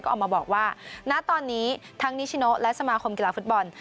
ออกมาบอกว่าณตอนนี้ทั้งนิชิโนและสมาคมกีฬาฟุตบอล